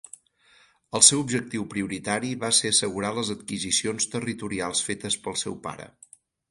El seu objectiu prioritari va ser assegurar les adquisicions territorials fetes pel seu pare.